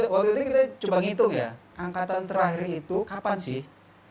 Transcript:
waktu itu kita coba hitung ya angkatan terakhir itu kapan sih